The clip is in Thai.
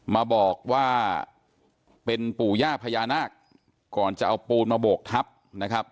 มาบอกว่าเป็นปู่ย่าพญานาคก่อนจะเอาปูนมาโบกทับนะครับ